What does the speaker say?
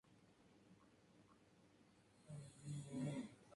El parque nacional está rodeado de montañas y muchos ríos pequeños.